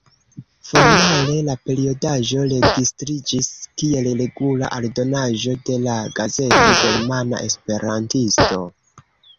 Formale la periodaĵo registriĝis kiel regula aldonaĵo de la gazeto Germana Esperantisto.